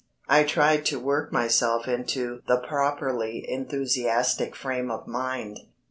I tried to work myself into the properly enthusiastic frame of mind.